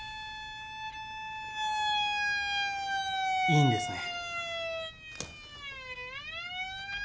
☎いいんですね？